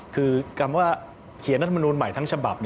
คือคำว่าเขียนรัฐมนูลใหม่ทั้งฉบับ